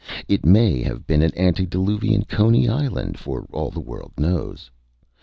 It may have been an antediluvian Coney Island, for all the world knows.